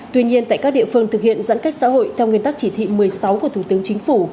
tuy nhiên tại các địa phương thực hiện giãn cách xã hội theo nguyên tắc chỉ thị một mươi sáu của thủ tướng chính phủ